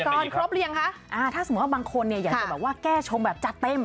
ครบหรือยังคะอ่าถ้าสมมุติว่าบางคนเนี่ยอยากจะแบบว่าแก้ชงแบบจัดเต็ม